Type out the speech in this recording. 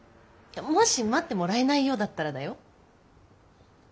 もし待ってもらえないようだったらだよ？